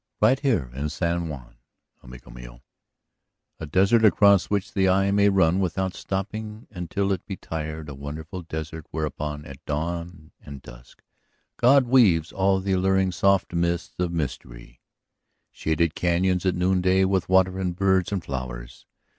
Right here in San Juan, amigo mío. A desert across which the eye may run without stopping until it be tired, a wonderful desert whereon at dawn and dusk God weaves all of the alluring soft mists of mystery? Shaded cañons at noonday with water and birds and flowers?